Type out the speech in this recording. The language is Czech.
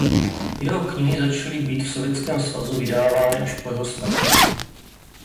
Jeho knihy začaly být v Sovětském svazu vydávány až po jeho smrti.